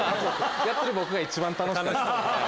やってる僕が一番楽しかった。